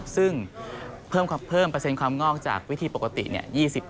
ซึ่งเพิ่มเปอร์เซ็นความงอกจากวิธีปกติ